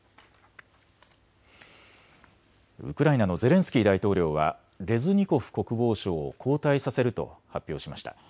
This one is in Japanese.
ウクライナのゼレンスキー大統領はレズニコフ国防相を交代させると発表しました。